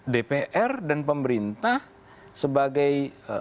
dpr dan pemerintah sebagai